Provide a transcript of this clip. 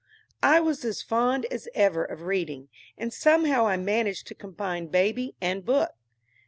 I was as fond as ever of reading, and somehow I managed to combine baby and book.